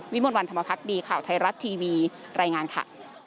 มวลวันธรรมพักดีข่าวไทยรัฐทีวีรายงานค่ะ